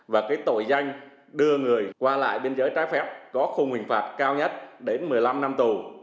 và cái tội danh đưa người qua lại biên giới trái phép có khung hình phạt cao nhất đến một mươi năm năm tù